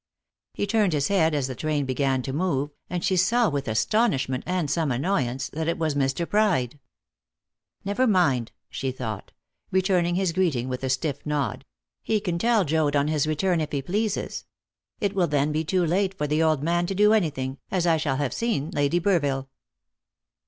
He turned his head as the train began to move, and she saw with astonishment and some annoyance that it was Mr. Pride. "Never mind," she thought, returning his greeting with a stiff nod; "he can tell Joad on his return if he pleases. It will then be too late for the old man to do anything, as I shall have seen Lady Burville."